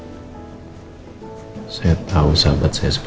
untuk menceritakan fungsi hatinya seperti apa